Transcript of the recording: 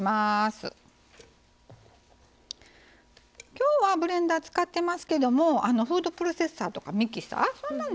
今日はブレンダー使ってますけどもフードプロセッサーとかミキサーそんなんでもいいと思います。